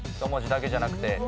１文字だけじゃなくて。